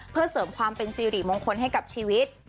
เพื่อเสริมความเป็นสิริมงคลให้กับชีวิต